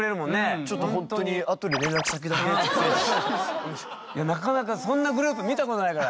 ちょっとほんとになかなかそんなグループ見たことないから。